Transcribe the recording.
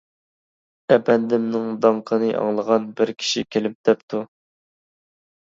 ئەپەندىمنىڭ داڭقىنى ئاڭلىغان بىر كىشى كېلىپ دەپتۇ.